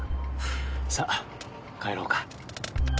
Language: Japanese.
さあ帰ろうか。